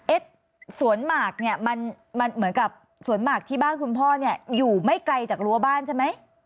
สวนหมากเนี่ยมันเหมือนกับสวนหมากที่บ้านคุณพ่อเนี่ยอยู่ไม่ไกลจากรั้วบ้านใช่ไหม